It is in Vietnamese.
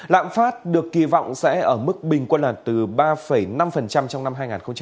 lạm phát được kỳ vọng sẽ ở mức bình quân lần từ ba năm trong năm hai nghìn một mươi chín